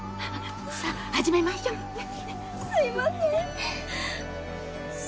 「すいません」